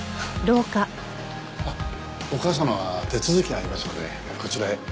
あっお母様は手続きがありますのでこちらへ。